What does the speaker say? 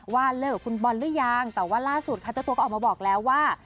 ว่าเลิกกับคุณบอลหรือยังแต่ว่าล่าสุดค่ะเจ้าตัวก็ออกมาบอกแล้วว่า